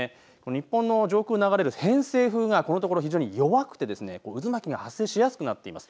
日本の上空を流れる偏西風がこのところ非常に弱くて渦巻きが発生しやすくなっています。